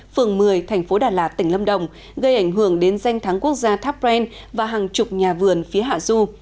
phường một mươi thành phố đà lạt tỉnh lâm đồng gây ảnh hưởng đến danh thắng quốc gia tháp pren và hàng chục nhà vườn phía hạ du